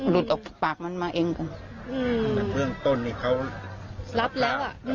แล้วยายคิดว่าอะไรคะ